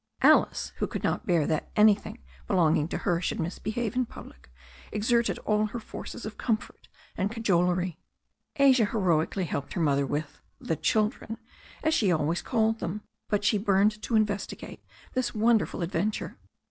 Alice, who could not bear that anything belonging to her should misbehave in public, exerted all her forces of comfort and cajolery. Asia heroically helped her mother with "the children," as she always called them. But she burned to investigate this wonderful adventure.